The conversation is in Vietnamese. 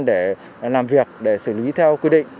để làm việc để xử lý theo quy định